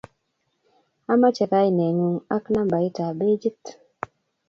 amache kainegung ak nambait ab bejit.